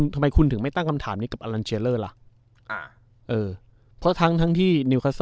ทำไมคุณถึงไม่ตั้งคำถามนี้กับอ่าเออเพราะทั้งที่